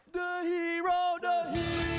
สุดท้าย